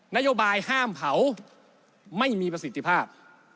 นโยบายห้ามเผาไม่มีประสิทธิภาพ